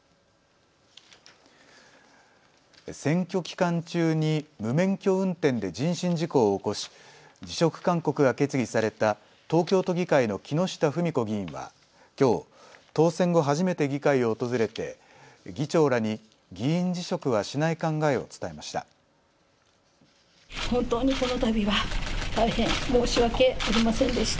選挙期間中に無免許運転で人身事故を起こし辞職勧告が決議された東京都議会の木下富美子議員はきょう、当選後初めて議会を訪れて議長らに議員辞職はしない考えを伝えました。